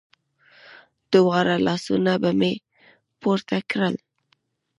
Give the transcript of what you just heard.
دواړه لاسونه به مې پورته کړل.